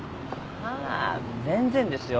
あ全然ですよ。